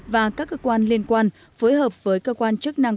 và các cơ quan liên quan phối hợp với cơ quan chức năng